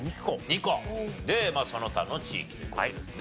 ２個。でその他の地域という事ですね。